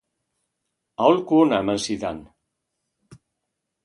Aholku ona eman zidan.